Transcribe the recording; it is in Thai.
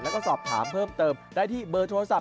แล้วก็สอบถามเพิ่มเติมได้ที่เบอร์โทรศัพ